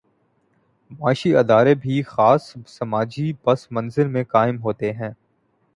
معاشی ادارے بھی خاص سماجی پس منظر میں قائم ہوتے ہیں۔